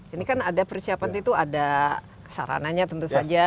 ini kan ada persiapan itu ada sarananya tentu saja